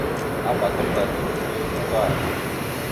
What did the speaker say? Abak gamənda titewe uvar.